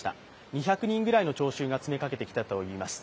２００人ぐらいの聴衆が詰めかけていたといいます。